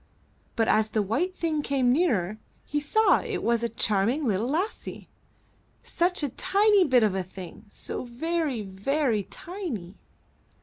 But as the white thing came nearer, he saw it was a charming little lassie, such a tiny bit of a thing, so very, very tiny.